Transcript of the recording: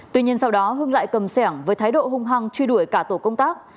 tuy nhiên sau đó hưng lại cầm sẻng với thái độ hung hăng truy đuổi cả tổ công tác